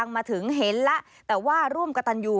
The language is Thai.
มาถึงเห็นแล้วแต่ว่าร่วมกับตันยู